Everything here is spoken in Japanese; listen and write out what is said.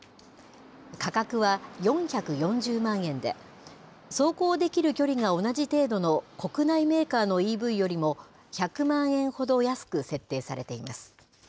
価格は４４０万円で、走行できる距離が同じ程度の国内メーカーのＥＶよりも１００万円ほど安く設定されています。